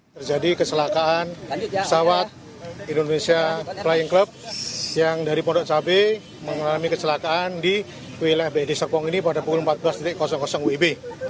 terjadi kecelakaan pesawat indonesia flying club yang dari pondok cabai mengalami kecelakaan di wilayah bd serpong ini pada pukul empat belas wib